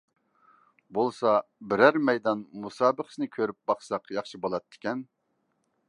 بولسا بىرەر مەيدان مۇسابىقىسىنى كۆرۈپ باقساق ياخشى بولاتتىكەن!